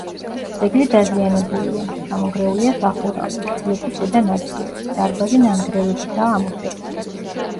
ძეგლი დაზიანებულია: ჩამონგრეულია სახურავი, კედლების ზედა ნაწილები, დარბაზი ნანგრევებითაა ამოვსებული.